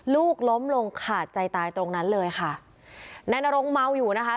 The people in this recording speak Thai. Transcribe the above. ลูกล้มลงขาดใจตายตรงนั้นเลยค่ะนายนรงเมาอยู่นะคะ